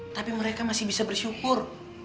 tapi mereka masih bisa bersyukur